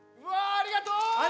ありがとう！